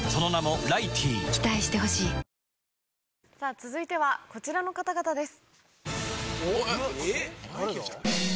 続いてはこちらの方々です。